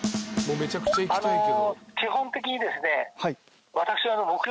基本的にですね私。